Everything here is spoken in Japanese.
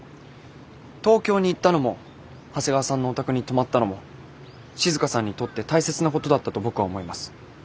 東京に行ったのも長谷川さんのお宅に泊まったのも静さんにとって大切なことだったと僕は思います。